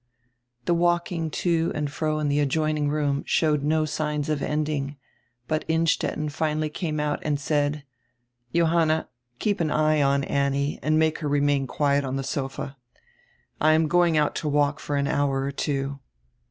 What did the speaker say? The walking to and fro in die adjoining roonr showed no signs of ending, but Innstetten finally came out and said: "Johanna, keep an eye on Annie and make her remain quiet on die sofa. I am going out to walk for an hour or two."